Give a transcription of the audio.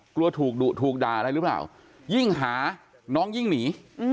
กลัวถูกด่าอะไรรึเปล่ายิ่งหาน้องยิ่งหนี